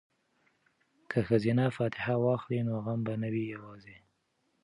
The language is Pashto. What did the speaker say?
که ښځې فاتحه واخلي نو غم به نه وي یوازې.